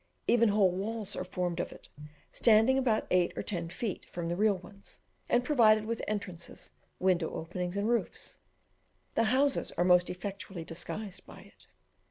Even whole walls are formed of it, standing about eight or ten feet from the real ones, and provided with entrances, window openings, and roofs. The houses are most effectually disguised by it.